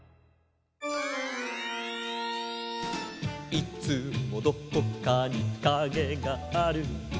「いつもどこかにカゲがある」